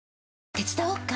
手伝おっか？